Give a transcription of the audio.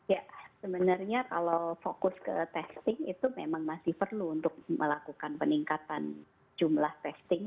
ya sebenarnya kalau fokus ke testing itu memang masih perlu untuk melakukan peningkatan jumlah testing